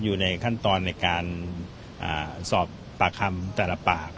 อยู่ในขั้นตอนในการสอบปากคำแต่ละปาก